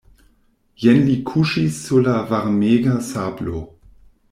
Jen li kuŝis sur la varmega sablo.